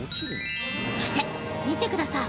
そして、見てください。